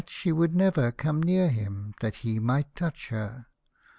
Yet would she never come near him that he might touch her.